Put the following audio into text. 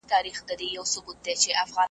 په زندان کی یې قسمت سو ور معلوم سو .